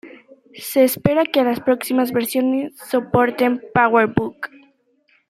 Se espera que las próximas versiones soporten powerbook.